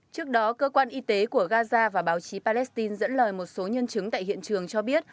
trước đó cơ quan y tế của gaza và báo chí palestine dẫn lời một số nhân chứng tại hiện trường cho biết